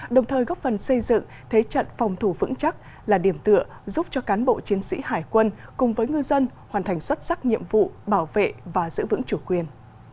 đồng thời góp phần xây dựng thế trận phòng thủ vững chắc là điểm tựa giúp cho cán bộ chiến sĩ hải quân cùng với ngư dân hoàn thành xuất sắc nhiệm vụ bảo vệ và giữ vững chủ quyền